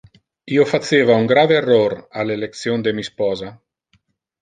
Io faceva un grave error al election de mi sposa.